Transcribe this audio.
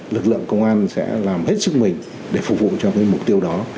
lực lượng công an sẽ làm hết sức mình để phục vụ cho cái mục tiêu đó